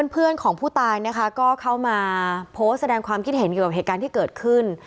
เพื่อนของผู้ตายนะคะก็เข้ามาโพสต์แสดงความคิดเห็นเกี่ยวกับเหตุการณ์ที่เกิดขึ้น